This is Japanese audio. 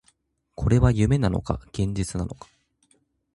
これは夢なのか、現実なのか